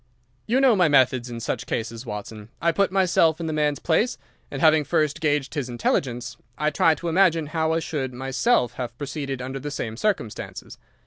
"You know my methods in such cases, Watson. I put myself in the man's place and, having first gauged his intelligence, I try to imagine how I should myself have proceeded under the same circumstances.